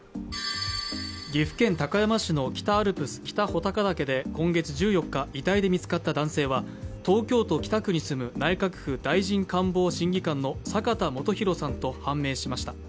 岐阜県高山市の北アルプス北穂高岳で今月１４日、遺体で見つかった男性は、東京都北区に住む内閣府大臣官房審議官の酒田元洋さんと判明しました。